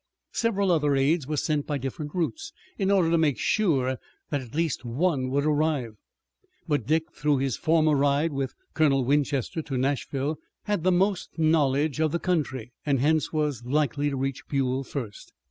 Several other aides were sent by different routes, in order to make sure that at least one would arrive, but Dick, through his former ride with Colonel Winchester to Nashville, had the most knowledge of the country, and hence was likely to reach Buell first.